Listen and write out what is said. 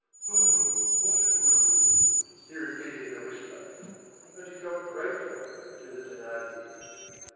"Oh! What a good wound!" he repeated in a whisper. And he felt grateful to the Thénardiers.